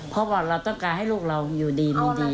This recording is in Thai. เพราะว่าเราต้องการให้ลูกเราอยู่ดีมีดี